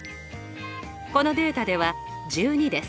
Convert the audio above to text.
このデータでは１２です。